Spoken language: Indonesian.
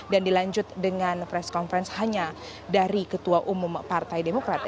dan dilanjut dengan press conference hanya dari ketua umum partai demokrat